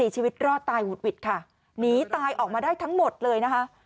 ชีวิตรอดตายหุดหวิดค่ะหนีตายออกมาได้ทั้งหมดเลยนะคะ